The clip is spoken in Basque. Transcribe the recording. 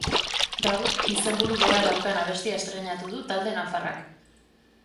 Gaur, izenburu bera daukan abestia estreinatu du talde nafarrak.